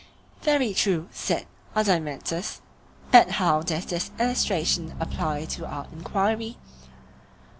Very true, said Adeimantus; but how does the illustration apply to our enquiry?